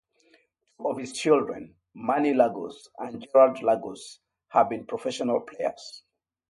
Two of his children, Manny Lagos and Gerard Lagos, have been professional players.